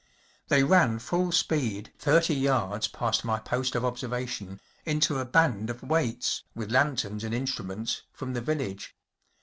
They ran full speed, thirty yards past my post of observation, into a band of waits, with lanterns and instruments, from the village.